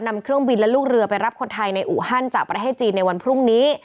นำเครื่องบินและลูกเรือไปรับคนไทยในอูฮันจากประเทศจีนในวันพรุ่งนี้